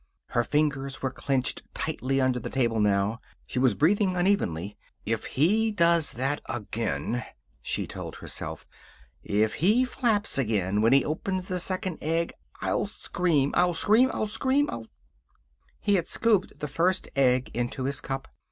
Her fingers were clenched tightly under the table, now. She was breathing unevenly. "If he does that again," she told herself, "if he flaps again when he opens the second egg, I'll scream. I'll scream. I'll scream! I'll sc " He had scooped the first egg into his cup.